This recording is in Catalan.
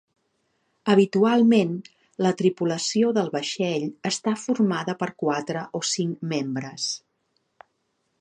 Habitualment, la tripulació del vaixell està formada per quatre o cinc membres.